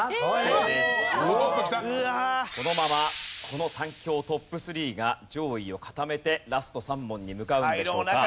このままこの３強トップ３が上位を固めてラスト３問に向かうんでしょうか？